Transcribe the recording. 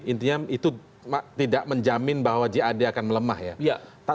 intinya itu tidak menjamin bahwa jad akan melemah ya